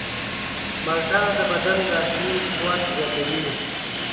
مالټه د بدن داخلي قوت زیاتوي.